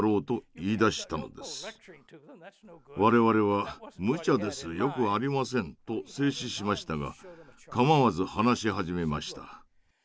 我々は「無茶ですよくありません」と制止しましたがかまわず話し始めました。